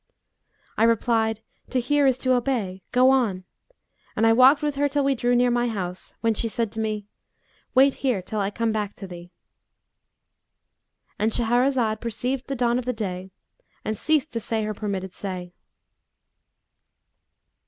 I replied, 'To hear is to obey! go on;' and I walked with her till we drew near my house, when she said to me, 'Wait here till I come back to thee.'"—And Shahrazad perceived the dawn of day and ceased to say her permitted say.